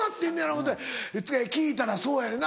思って聞いたらそうやねんな。